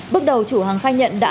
bước đầu chủ hàng khai nhận đã